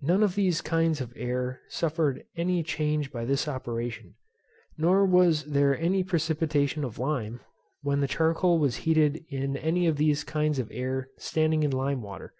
None of these kinds of air suffered any change by this operation; nor was there any precipitation of lime, when charcoal was heated in any of these kinds of air standing in lime water.